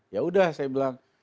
ya udah saya bilang